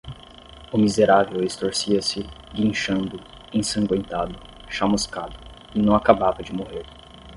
O miserável estorcia-se, guinchando, ensangüentado, chamuscado, e não acabava de morrer.